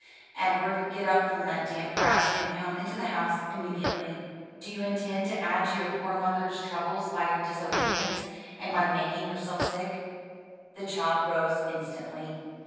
"Edward, get up from that damp grass and come into the house immediately. Do you intend to add to your poor mother's troubles by your disobedience, and by making yourself sick?" The child arose instantly.